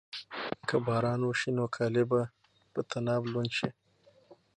که باران وشي نو کالي به په طناب لوند شي.